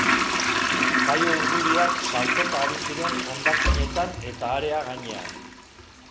Kaio urduriak saltoka ari ziren hondakinetan eta harea gainean.